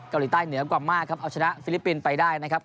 เกาหลีใต้เหนือกว่ามากครับเอาชนะฟิลิปปินส์ไปได้นะครับ